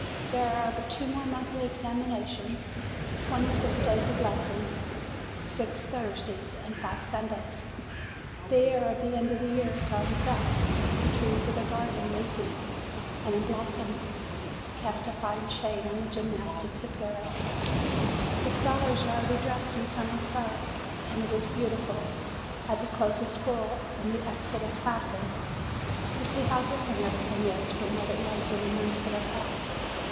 There are but two more monthly examinations, twenty six days of les sons, six Thursdays, and five Sundays. The air of the end of the year is already felt. The trees of the garden, leafy and in blossom, cast a fine shade on the gymnastic apparatus. The scholars are already dressed in summer clothes. And it is beauti 296 MAY ful, at the close of school and the exit of the classes, to see how different everything is from what it was in the months that are past.